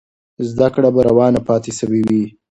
زده کړه به روانه پاتې سوې وي.